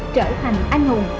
trở thành anh hùng